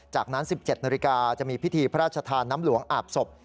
จากนั้น๑๗นาฬิกาจะมีพิธีพระราชทานน้ำหลวงอาบศพ